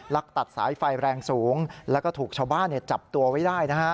ตัดสายไฟแรงสูงแล้วก็ถูกชาวบ้านจับตัวไว้ได้นะฮะ